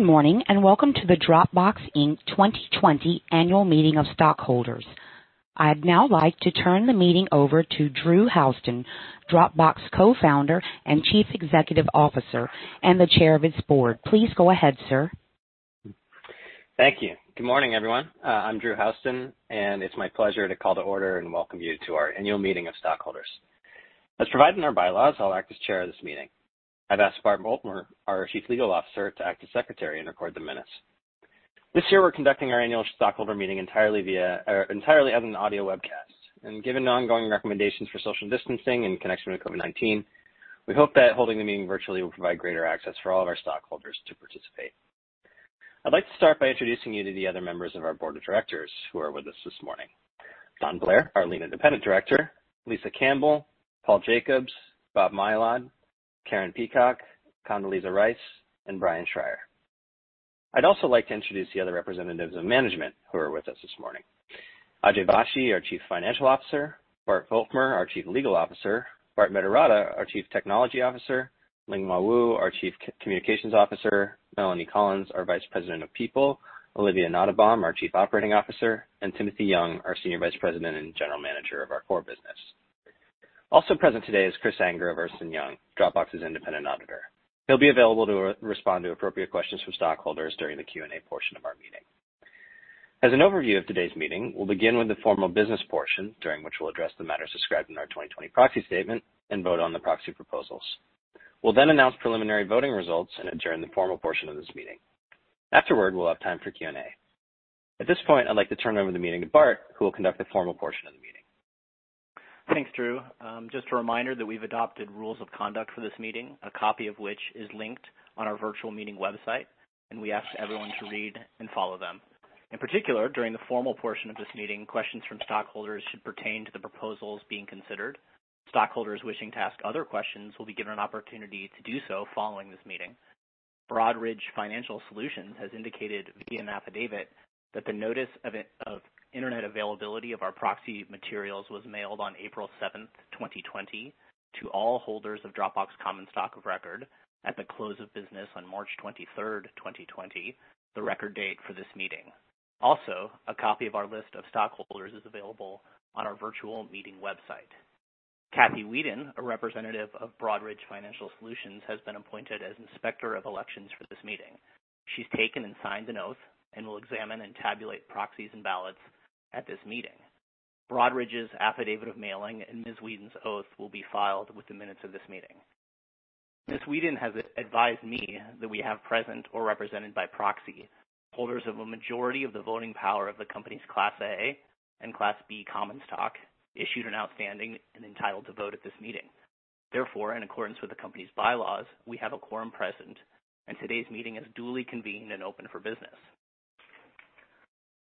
Good morning, welcome to the Dropbox Inc. 2020 annual meeting of stockholders. I'd now like to turn the meeting over to Drew Houston, Dropbox Co-Founder and Chief Executive Officer, and the Chair of its Board. Please go ahead, sir. Thank you. Good morning, everyone. I'm Drew Houston, and it's my pleasure to call to order and welcome you to our annual meeting of stockholders. As provided in our bylaws, I'll act as chair of this meeting. I've asked Bart Volkmer, our Chief Legal Officer, to act as secretary and record the minutes. This year, we're conducting our annual stockholder meeting entirely as an audio webcast. Given the ongoing recommendations for social distancing in connection with COVID-19, we hope that holding the meeting virtually will provide greater access for all of our stockholders to participate. I'd like to start by introducing you to the other members of our board of directors who are with us this morning. Don Blair, our Lead Independent Director, Lisa Campbell, Paul Jacobs, Bob Mylod, Karen Peacock, Condoleezza Rice, and Bryan Schreier. I'd also like to introduce the other representatives of management who are with us this morning. Ajay Vashee, our Chief Financial Officer, Bart Volkmer, our Chief Legal Officer, Bharat Mediratta, our Chief Technology Officer, Lin-Hua Wu, our Chief Communications Officer, Melanie Collins, our Vice President of People, Olivia Nottebohm, our Chief Operating Officer, and Timothy Young, our Senior Vice President and General Manager of our core business. Also present today is Chris Anger of Ernst & Young, Dropbox's independent auditor. He'll be available to respond to appropriate questions from stockholders during the Q&A portion of our meeting. As an overview of today's meeting, we'll begin with the formal business portion, during which we'll address the matters described in our 2020 proxy statement and vote on the proxy proposals. We'll announce preliminary voting results and adjourn the formal portion of this meeting. Afterward, we'll have time for Q&A. At this point, I'd like to turn over the meeting to Bart, who will conduct the formal portion of the meeting. Thanks, Drew. Just a reminder that we've adopted rules of conduct for this meeting, a copy of which is linked on our virtual meeting website, and we ask everyone to read and follow them. In particular, during the formal portion of this meeting, questions from stockholders should pertain to the proposals being considered. Stockholders wishing to ask other questions will be given an opportunity to do so following this meeting. Broadridge Financial Solutions has indicated via an affidavit that the notice of internet availability of our proxy materials was mailed on April 7th, 2020 to all holders of Dropbox common stock of record at the close of business on March 23rd, 2020, the record date for this meeting. Also, a copy of our list of stockholders is available on our virtual meeting website. Kathy Whedon, a representative of Broadridge Financial Solutions, has been appointed as inspector of elections for this meeting. She's taken and signed an oath and will examine and tabulate proxies and ballots at this meeting. Broadridge's affidavit of mailing and Ms. Whedon's oath will be filed with the minutes of this meeting. Ms. Whedon has advised me that we have present or represented by proxy, holders of a majority of the voting power of the company's Class A and Class B common stock, issued and outstanding and entitled to vote at this meeting. Therefore, in accordance with the company's bylaws, we have a quorum present, and today's meeting is duly convened and open for business.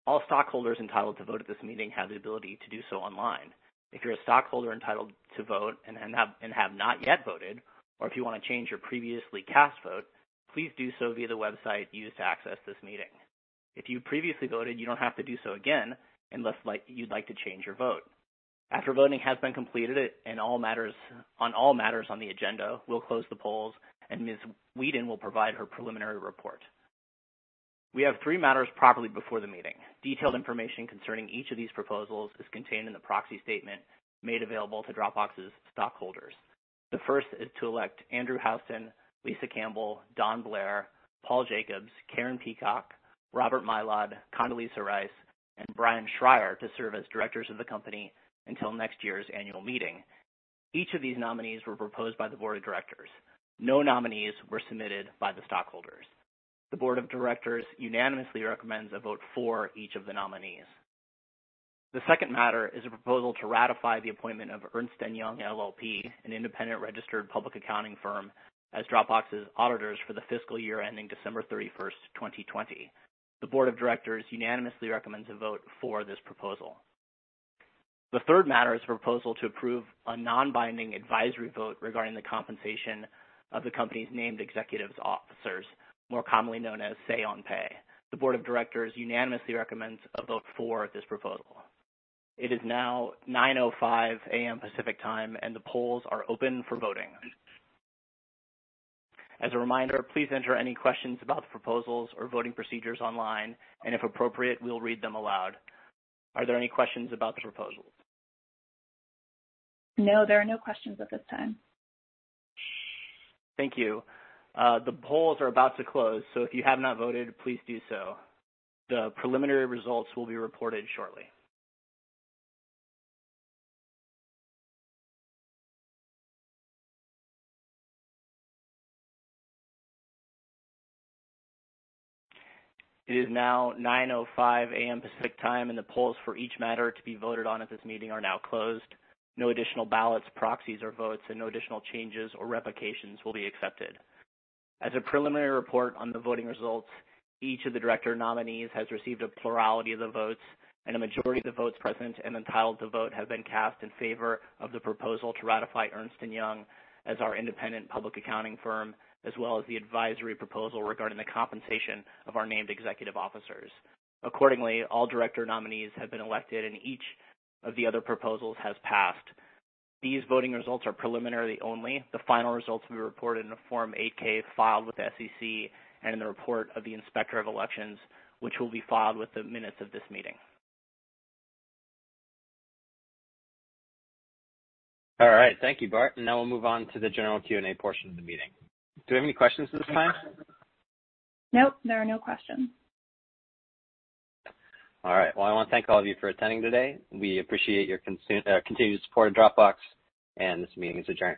All stockholders entitled to vote at this meeting have the ability to do so online. If you're a stockholder entitled to vote and have not yet voted, or if you want to change your previously cast vote, please do so via the website used to access this meeting. If you previously voted, you don't have to do so again unless you'd like to change your vote. After voting has been completed on all matters on the agenda, we'll close the polls, and Ms. Whedon will provide her preliminary report. We have three matters properly before the meeting. Detailed information concerning each of these proposals is contained in the proxy statement made available to Dropbox's stockholders. The first is to elect Andrew Houston, Lisa Campbell, Don Blair, Paul Jacobs, Karen Peacock, Robert Mylod, Condoleezza Rice, and Bryan Schreier to serve as directors of the company until next year's annual meeting. Each of these nominees were proposed by the board of directors. No nominees were submitted by the stockholders. The board of directors unanimously recommends a vote for each of the nominees. The second matter is a proposal to ratify the appointment of Ernst & Young LLP, an independent registered public accounting firm, as Dropbox's auditors for the fiscal year ending December 31st, 2020. The board of directors unanimously recommends a vote for this proposal. The third matter is a proposal to approve a non-binding advisory vote regarding the compensation of the company's named executive officers, more commonly known as say on pay. The board of directors unanimously recommends a vote for this proposal. It is now 9:05 A.M. Pacific Time, and the polls are open for voting. As a reminder, please enter any questions about the proposals or voting procedures online, and if appropriate, we'll read them aloud. Are there any questions about the proposals? No, there are no questions at this time. Thank you. The polls are about to close, so if you have not voted, please do so. The preliminary results will be reported shortly. It is now 9:05 A.M. Pacific Time, and the polls for each matter to be voted on at this meeting are now closed. No additional ballots, proxies, or votes, and no additional changes or replications will be accepted. As a preliminary report on the voting results, each of the director nominees has received a plurality of the votes, and a majority of the votes present and entitled to vote have been cast in favor of the proposal to ratify Ernst & Young as our independent public accounting firm, as well as the advisory proposal regarding the compensation of our named executive officers. Accordingly, all director nominees have been elected, and each of the other proposals has passed. These voting results are preliminary only. The final results will be reported in a Form 8-K filed with the SEC and in the report of the Inspector of Elections, which will be filed with the minutes of this meeting. All right. Thank you, Bart. Now we'll move on to the general Q&A portion of the meeting. Do we have any questions at this time? Nope. There are no questions. All right. Well, I want to thank all of you for attending today. We appreciate your continued support of Dropbox, and this meeting is adjourned.